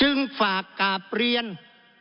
จึงฝากกลับเรียนเมื่อเรามีการแก้รัฐพาหารกันอีก